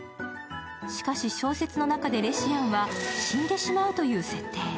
しかし小説の中でレシアンは死んでしまうという設定。